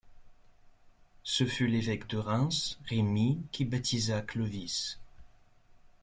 Ce fut l'évêque de Reims, Remi, qui baptisa Clovis.